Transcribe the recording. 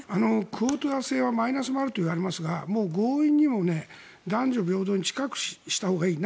クオーター制はマイナスもあるといわれますが強引にも男女平等に近くしたほうがいい。